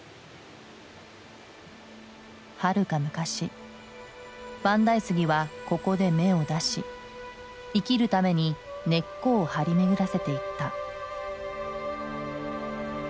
はるか昔万代杉はここで芽を出し生きるために根っこを張り巡らせていった。